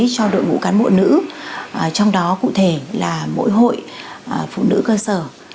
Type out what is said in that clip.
cho đội ngũ cán bộ nữ trong đó cụ thể là mỗi hội phụ nữ cơ sở